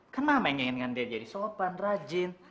kan mama yang ingin dengan dia jadi sopan rajin